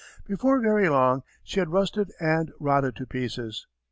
Before very long she had rusted and rotted to pieces.